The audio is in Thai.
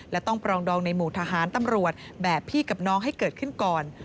และต้องปรองดองในหมู่ทหารตำรวจแบบพี่กับน้องให้เกิดขึ้นก่อน